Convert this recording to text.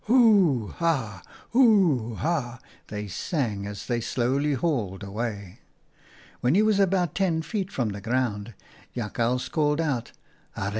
' Hoo ha ! hoo ha !' they sang as they slowly hauled away. " When he was about ten feet from the ground, Jakhals called out, ' Arre!